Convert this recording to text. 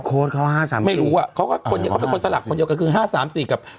เขาห้าสามไม่รู้อ่ะเขาก็คนนี้เขาเป็นคนสลักคนเดียวกันคือห้าสามสี่กับ